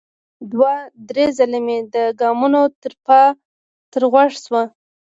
دوه ـ درې ځلې مې د ګامونو ترپا تر غوږ شوه.